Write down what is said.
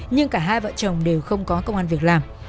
nhưng cả hai vợ chồng đều không có công an việc làm